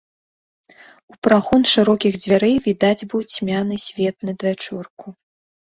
У прахон шырокіх дзвярэй відаць быў цьмяны свет надвячорку.